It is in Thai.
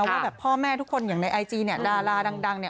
ว่าแบบพ่อแม่ทุกคนอย่างในไอจีเนี่ยดาราดังเนี่ย